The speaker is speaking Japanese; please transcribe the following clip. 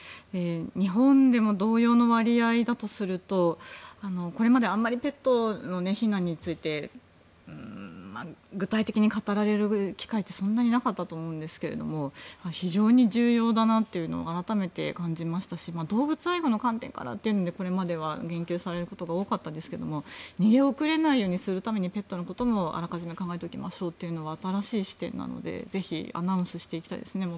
日本でも同様の割合だとするとこれまであまりペットの避難について具体的に語られる機会ってそんなになかったと思うんですが非常に重要だなと改めて感じましたし動物愛護の観点からというのでこれまでは言及されることが多かったですが逃げ遅れないようにするためにペットのことも、あらかじめ考えておきましょうというのは新しい視点なのでぜひアナウンスしていきたいですね。